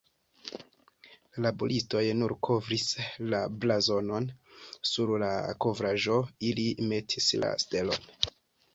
La laboristoj nur kovris la blazonon, sur la kovraĵo ili metis la stelon.